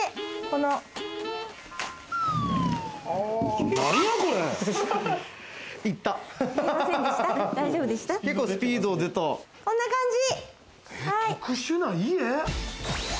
こんな感じ！